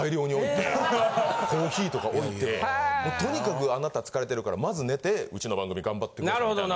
コーヒーとか置いてとにかくあなた疲れてるからまず寝てうちの番組がんばってくださいみたいな。